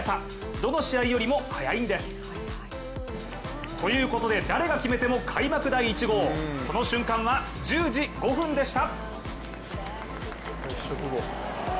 どの試合よりも早いんです。ということで誰が決めても開幕第一号その瞬間は１０時５分でした。